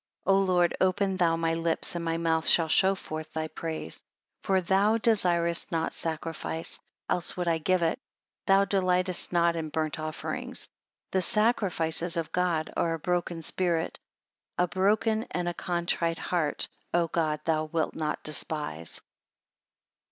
38 O Lord open thou my lips, and my mouth shall show forth thy praise. 39 For thou desirest not sacrifice, else would I give it; thou delightest not in burnt offerings. 40 The sacrifices of God are a broken spirit; a broken and a contrite heart, O God, thou wilt not despise.